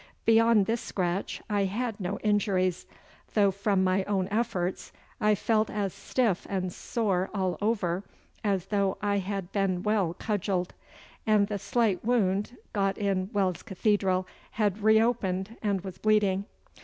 Beyond this scratch I had no injuries, though from my own efforts I felt as stiff and sore all over as though I had been well cudgelled, and the slight wound got in Wells Cathedral had reopened and was bleeding.